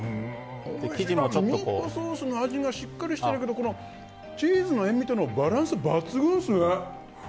ミートソースの味がしっかりしてるけどチーズの塩みとのバランス抜群ですね。